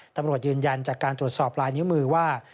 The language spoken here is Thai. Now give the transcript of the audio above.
ตำรวจยืนยันจากการตรวจสอบลายนิ้วมือว่า